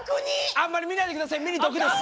あんまり見ないで下さい目に毒です。